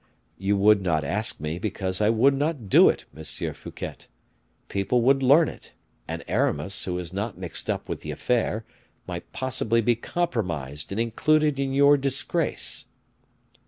"You would not ask me, because I would not do it, Monsieur Fouquet. People would learn it, and Aramis, who is not mixed up with the affair, might possibly be compromised and included in your disgrace."